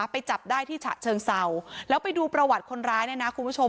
ไปจับได้ที่ฉะเชิงเศร้าแล้วไปดูประวัติคนร้ายเนี่ยนะคุณผู้ชม